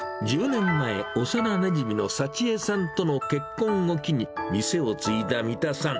１０年前、幼なじみの幸恵さんとの結婚を機に、店を継いだ三田さん。